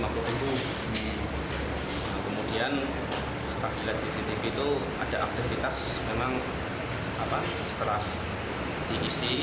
kemudian setelah dilihat cctv itu ada aktivitas memang setelah diisi